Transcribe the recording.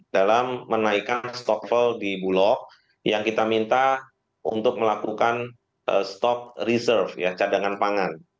dalam menaikkan stockful di bulog yang kita minta untuk melakukan stock reserve ya cadangan pangan